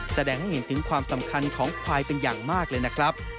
แสดงให้เห็นถึงความสำคัญของควายเป็นอย่างมากเลยนะครับ